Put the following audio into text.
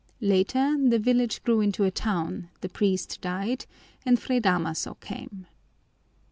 Later the village grew into a town, the priest died, and Fray Damaso came.